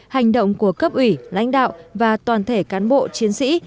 hành động của cấp ủy lãnh đạo và toàn thể cán bộ chiến sĩ